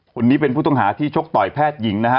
คนนี้เป็นผู้ต้องหาที่ชกต่อยแพทย์หญิงนะฮะ